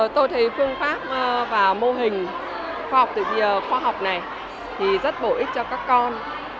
tôi thấy phương pháp và mô hình khoa học tự khoa học này thì rất bổ ích cho các con